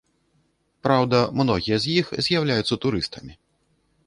Праўда, многія з іх з'яўляюцца турыстамі.